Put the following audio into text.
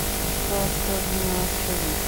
দত্তক নেওয়া ছেলে।